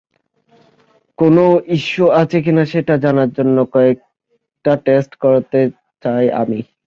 কোনও ইস্যু আছে কিনা সেটা জানার জন্য কয়েকটা টেস্ট করাতে চাই আমি।